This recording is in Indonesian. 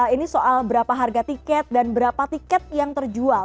ini soal berapa harga tiket dan berapa tiket yang terjual